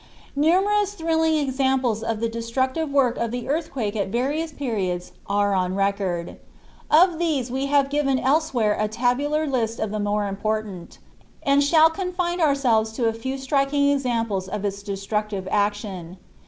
Numerous thrilling examples of the destructive work of the earthquake at various periods are on record. Of these we have given elsewhere a tabular list of the more important, and shall confine ourselves to a few striking examples of its destructive action.